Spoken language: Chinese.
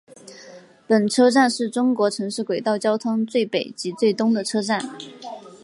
本车站是中国城市轨道交通最北及最东的车站。